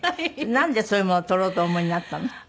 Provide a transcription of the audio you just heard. なんでそういうものを取ろうとお思いになったの？